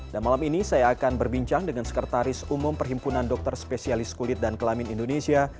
dan malam ini saya akan berbincang dengan sekretaris umum perhimpunan dokter spesialis kulit dan kelamin indonesia